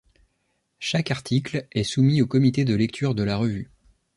Chaque article est soumis au comité de lecture de la revue.